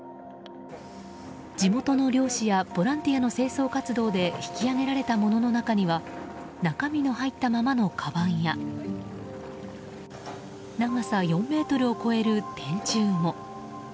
地元の漁師やボランティアの清掃活動で引き揚げられたものの中には中身が入ったままのかばんや長さ４ｍを超える電柱も。